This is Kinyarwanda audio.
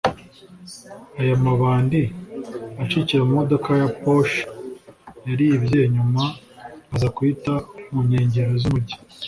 aya mabandi acikira mu modoka ya Porsche yari yibye nyuma aza kuyita mu nkengero z’umujyi